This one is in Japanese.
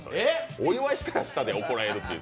お祝いしたらしたで怒られるっていう。